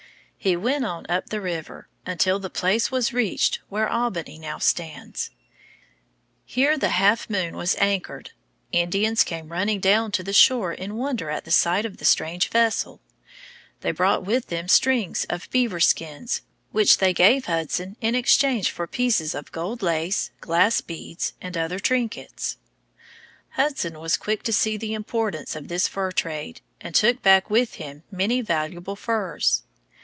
He went on up the river until the place was reached where Albany now stands. Here the little Half Moon was anchored. Indians came running down to the shore in wonder at the sight of the strange vessel. They brought with them strings of beaver skins, which they gave Hudson in exchange for pieces of gold lace, glass beads, and other trinkets. Hudson was quick to see the importance of this fur trade, and took back with him many valuable furs.